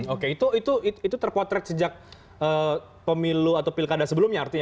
oke itu terpotret sejak pemilu atau pilkada sebelumnya artinya